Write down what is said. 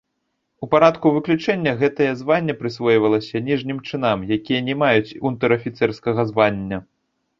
У парадку выключэння гэтае званне прысвойвалася ніжнім чынам, якія не маюць унтэр-афіцэрскага звання.